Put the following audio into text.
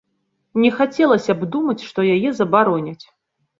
Не хацелася б думаць, што яе забароняць.